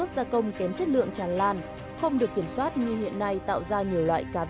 à thưa ơn chị không có làm bằng rẻ được không làm được